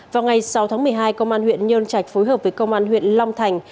vào ngày sáu tháng một mươi hai công an huyện nhơn trạch phối hợp với công an huyện long thành